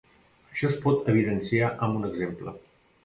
Això es pot evidenciar amb un exemple.